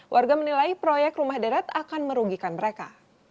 warga menilai proyek rumah deret akan merugikan mereka